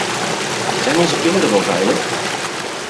Zijn onze kinderen wel veilig?